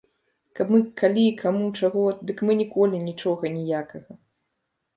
Каб мы калі каму чаго, дык мы ніколі нічога ніякага.